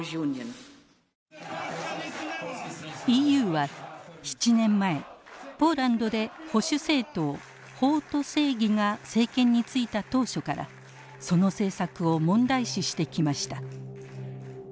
ＥＵは７年前ポーランドで保守政党法と正義が政権に就いた当初からその政策を問題視してきました。